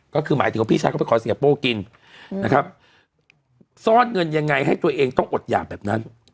ก็คือหมายถึงว่าพี่ชายก็ไปขอเสียโป้กินนะครับซ่อนเงินยังไงให้ตัวเองต้องอดหยากแบบนั้น